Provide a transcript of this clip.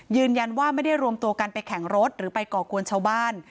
ยืนยันว่าไม่ได้รวมตัวกันไปแข่งรถหรือไปก่อกวนชาวบ้าน